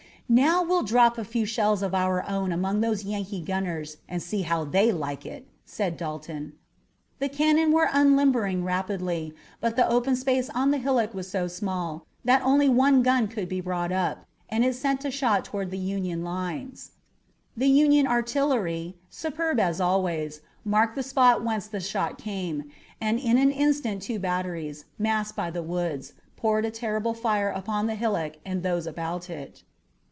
"Now we'll drop a few shells of our own among those Yankee gunners and see how they like it," said Dalton. The cannon were unlimbering rapidly, but the open space on the hillock was so small that only one gun could be brought up, and it sent a shot toward the Union lines. The Union artillery, superb as always, marked the spot whence the shot came, and in an instant two batteries, masked by the woods, poured a terrible fire upon the hillock and those about it.